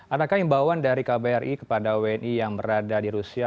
adakah imbauan dari kbri kepada wni yang berada di rusia